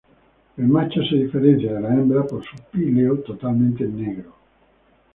El macho se diferencia de la hembra por su píleo totalmente negro.